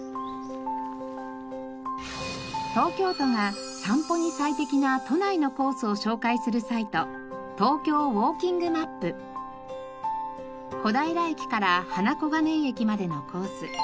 東京都が散歩に最適な都内のコースを紹介するサイト小平駅から花小金井駅までのコース。